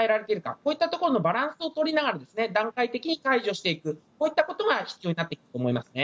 こういったところのバランスを取りながら、段階的に解除していく、こういったことが必要になってくると思いますね。